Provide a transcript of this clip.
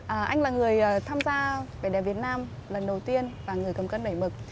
anh là người tham gia vẻ đẹp việt nam lần đầu tiên và người cầm cân đẩy mực